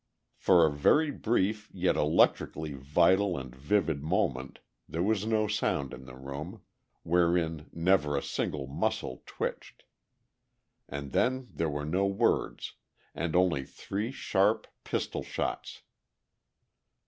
For a very brief yet electrically vital and vivid moment there was no sound in the room, wherein never a single muscle twitched. And then there were no words and only three sharp pistol shots.